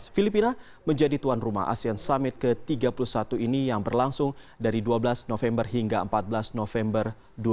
filipina menjadi tuan rumah asean summit ke tiga puluh satu ini yang berlangsung dari dua belas november hingga empat belas november dua ribu dua puluh